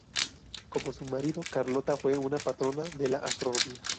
Como su marido, Carlota fue una patrona de la astronomía.